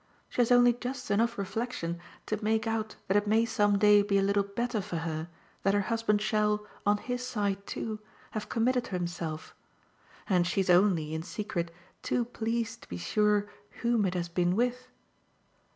She has only just enough reflexion to make out that it may some day be a little better for her that her husband shall, on his side too, have committed himself; and she's only, in secret, too pleased to be sure whom it has been with.